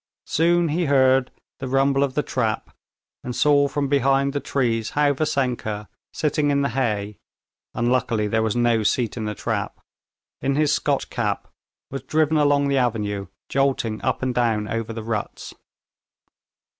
Soon he heard the rumble of the trap, and saw from behind the trees how Vassenka, sitting in the hay (unluckily there was no seat in the trap) in his Scotch cap, was driven along the avenue, jolting up and down over the ruts.